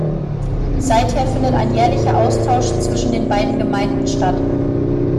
Seither findet ein jährlicher Austausch zwischen den beiden Gemeinden statt.